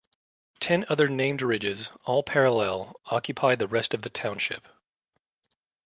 Ten other named ridges, all parallel, occupy the rest of the township.